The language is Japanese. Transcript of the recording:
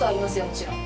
もちろん。